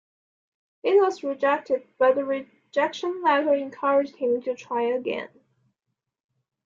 It was rejected, but the rejection letter encouraged him to try again.